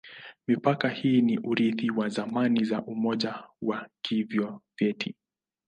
Mipaka hii ni urithi wa zamani za Umoja wa Kisovyeti.